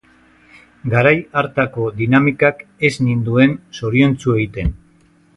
Garai hartako dinamikak ez ninduen zoriontsu egiten.